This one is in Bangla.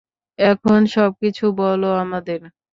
এখন সবকিছু বল আমাদের!